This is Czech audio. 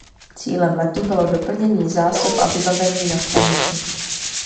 Cílem letu bylo doplnění zásob a vybavení na stanici.